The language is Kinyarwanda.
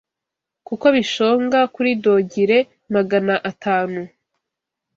kuko bishonga kuri dogire magana atanu